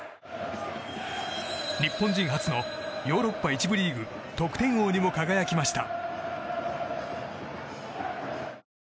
日本人初のヨーロッパ１部リーグ得点王にも輝きました。